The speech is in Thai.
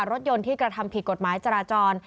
รถยนต์ที่กระทำผิดกฎหมายจราจร